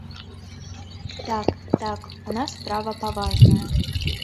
Так, так, у нас справа паважная.